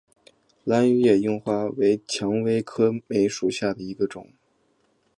兰屿野樱花为蔷薇科梅属下的一个种。